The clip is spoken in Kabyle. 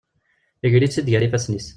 Iger-itt-id gar ifasen-is.